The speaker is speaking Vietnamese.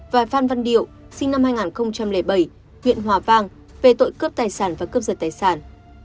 và phan văn điệu sinh năm hai nghìn bảy huyện hòa vang về tội cướp tài sản và cướp giật tài sản